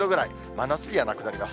真夏日はなくなります。